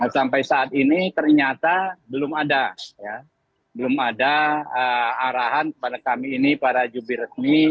sampai saat ini ternyata belum ada arahan kepada kami ini para jubi resmi